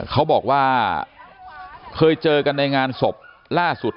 เขาบอกว่าเคยเจอกันในงานศพล่าสุด